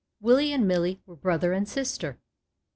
Willie and Millie were brother and sister.